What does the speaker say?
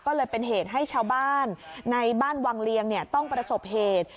ก็เลยเป็นเหตุให้ชาวบ้านในบ้านวังเลียงต้องประสบเหตุ